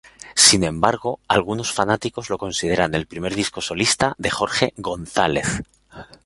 Sin embargo, algunos fanáticos lo consideran el primer disco solista de Jorge González.